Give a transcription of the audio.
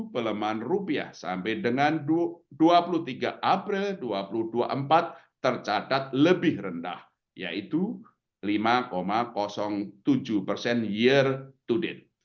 pelemahan rupiah sampai dengan dua puluh tiga april dua ribu dua puluh empat tercatat lebih rendah yaitu lima tujuh persen year to date